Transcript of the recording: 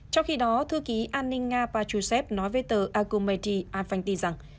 trong khi đó thư ký an ninh nga patrushev nói với tờ akumeti alphanty rằng